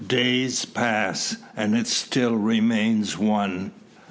Days pass, and it still remains one.